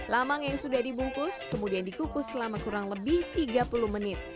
lamang yang sudah dibungkus kemudian dikukus selama kurang lebih tiga puluh menit